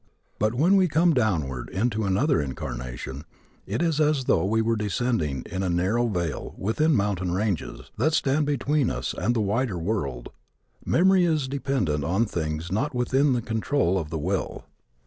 But when we come downward into another incarnation it is as though we were descending in a narrow vale within mountain ranges that stand between us and the wider world. Memory is dependent on things not within the control of the will.